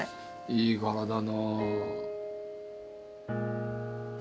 いい柄だな。